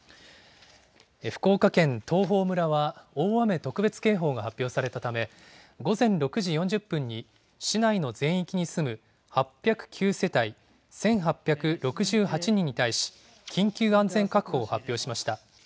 福岡県東峰村は大雨特別警報が発表されたため、午前６時４０分に、市内の全域に住む８０９世帯１８６８人に対し、緊急安全確保を発表しました。